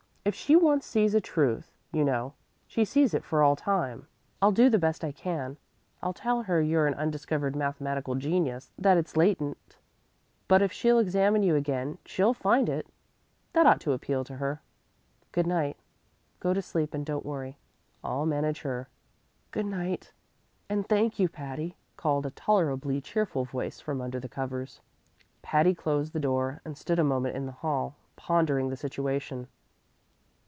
If she once sees a truth, you know, she sees it for all time. But never mind; I'll do the best I can. I'll tell her you're an undiscovered mathematical genius; that it's latent, but if she'll examine you again she'll find it. That ought to appeal to her. Good night. Go to sleep and don't worry; I'll manage her." "Good night; and thank you, Patty," called a tolerably cheerful voice from under the covers. Patty closed the door, and stood a moment in the hall, pondering the situation.